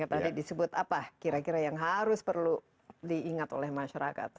tadi disebut apa kira kira yang harus perlu diingat oleh masyarakat